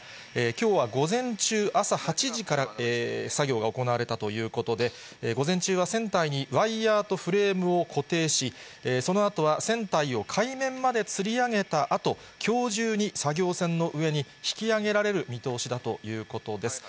きょうは午前中、朝８時から作業が行われたということで、午前中は、船体にワイヤーとフレームを固定し、そのあとは、船体を海面までつり上げたあと、きょう中に作業船の上に引き揚げられる見通しだということです。